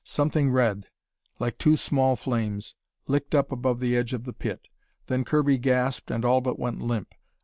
Something red, like two small flames, licked up above the edge of the pit. Then Kirby gasped and all but went limp.